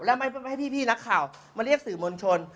แล้วไม่ให้พี่นักข่าวมาเรียกสื่อมวลชน